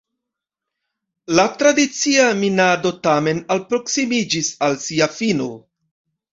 La tradicia minado tamen alproksimiĝis al sia fino.